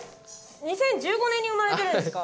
２０１５年に生まれてるんですか？